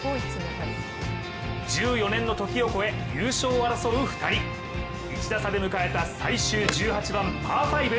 １４年の時を越え、優勝を争う２人１打差で迎えた最終１８番パー５。